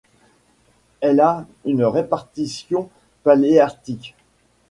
Elle a une répartition paléarctique.